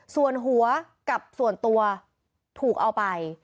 ส่วนหัวกับส่วนตัวถูกเอาไป